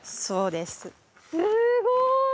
すごい！